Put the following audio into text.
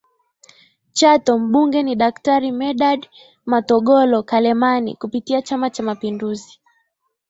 Chato mbunge ni Daktari Medard Matogolo Kalemani kupitia Chama cha mapinduzi